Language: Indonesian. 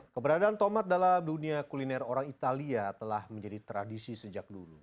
keberadaan tomat dalam dunia kuliner orang italia telah menjadi tradisi sejak dulu